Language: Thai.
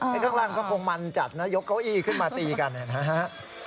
ข้างล่างก็คงมันจัดนะยกเก้าอี้ขึ้นมาตีกันนะฮะ